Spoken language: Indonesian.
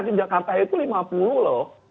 penyakit jakarta itu rp lima puluh juta loh